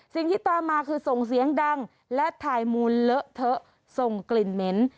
สิ่งที่ตามมาคือส่งเสียงดังและถ่ายมูลเลอะเทอะส่งกลิ่นเหม็น